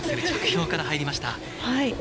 着氷から入りました。